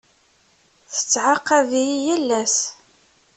Tettɛaqab-iyi yal ass.